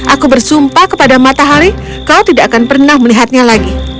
aku bersumpah kepada matahari kau tidak akan pernah melihatnya lagi